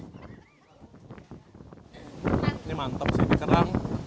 ini mantep sih dikerang